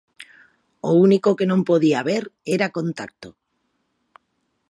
O único que non podía haber era contacto.